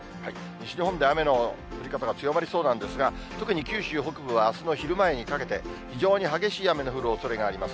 西日本で雨の降り方が強まりそうなんですが、特に九州北部は、あすの昼前にかけて、非常に激しい雨の降るおそれがあります。